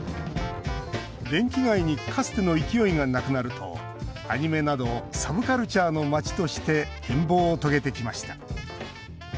電気街にかつての勢いがなくなるとアニメなどサブカルチャーの街として変貌を遂げてきました。